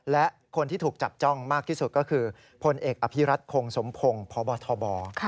และคนที่ถูกจับจ้องมากที่สุดก็คือพลเอกอภิรัตคงสมพงศ์พบทบ